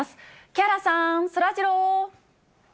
木原さん、そらジロー。